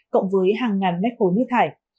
cộng với hàng ngàn mét khối nước hải